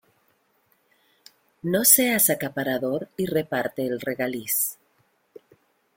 No seas acaparador y reparte el regaliz.